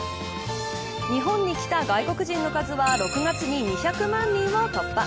日本に来た外国人の数は６月に２００万人を突破。